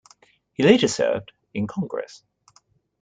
He later served in Congress.